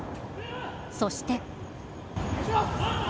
そして。